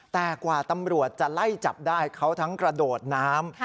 แต่กว่าตำรวจจะไล่จับได้เขาทั้งกระโดดน้ำ